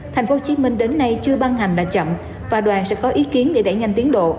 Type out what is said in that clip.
tp hcm đến nay chưa ban hành đã chậm và đoàn sẽ có ý kiến để đẩy nhanh tiến độ